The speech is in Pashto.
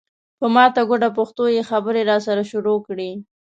په ماته ګوډه پښتو یې خبرې راسره شروع کړې.